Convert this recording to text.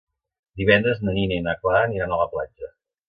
Divendres na Nina i na Clara aniran a la platja.